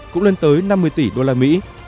cũng lên tới năm mươi tỷ usd